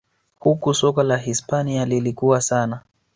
Huku soka la Hispania lilikua sana